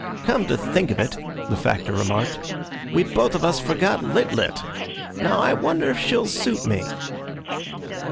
"Come to think of it," the Factor remarked, "we both of us forgot Lit lit. Now I wonder if she'll suit me?"